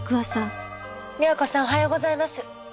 美和子さんおはようございます。